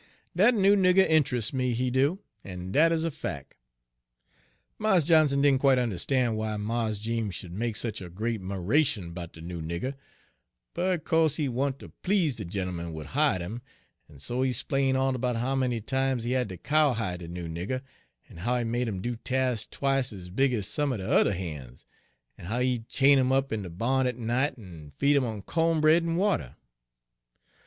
Dat noo nigger int'rusts me, he do, en dat is a fac'.' "Mars Johnson didn' quite un'erstan' w'y Mars Jeems sh'd make sich a great 'miration 'bout de noo nigger, but co'se he want' ter please de gent'eman w'at hi'ed 'im, en so he 'splain' all 'bout how many times he had ter cowhide de noo nigger, en how he made 'im do tasks twicet ez big ez some er de yuther han's, en how he'd chain 'im up in de ba'n at night en feed 'im on co'n bread en water.